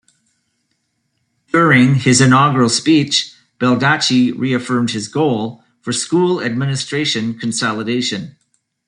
During his inaugural speech, Baldacci reaffirmed his goal for school administration consolidation.